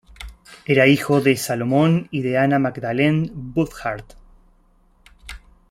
Era hijo de Salomon y de Anna Magdalene Burkhard.